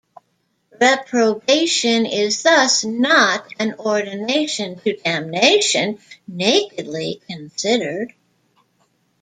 Reprobation is thus not an ordination to damnation nakedly considered.